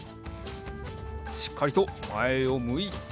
しっかりとまえをむいて。